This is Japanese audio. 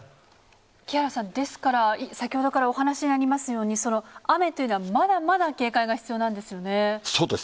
木原さん、ですから、先ほどからお話がありますように、雨というのはまだまだ警戒が必要そうです。